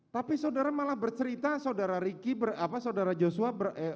tapi saudara malah bercerita saudara ricky saudara joshua